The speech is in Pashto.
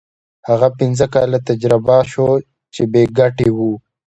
هغه پنځه کاله تجربه شو چې بې ګټې وو.